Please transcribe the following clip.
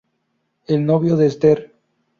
El novio de Esther.